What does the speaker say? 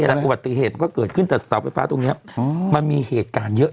โอเคแล้วอุบัติเหตุเกิดขึ้นตะสาวไฟฟ้าตรงนี้มันมีเหตุการณ์เยอะ